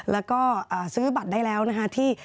แล้วก็ซื้อบัตรได้แล้วนะคะที่